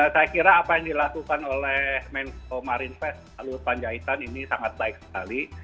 saya kira apa yang dilakukan oleh menteri pemerintah lulus panjaitan ini sangat baik sekali